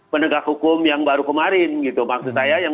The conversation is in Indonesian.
penegak hukum yang baru kemarin gitu maksud saya